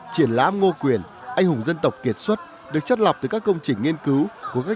triển lãm ngô quyền anh hùng dân tộc kiệt xuất được chất lọc từ các công trình nghiên cứu của các